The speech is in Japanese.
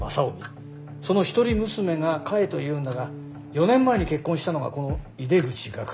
その一人娘が菓恵というんだが４年前に結婚したのがこの井出口岳。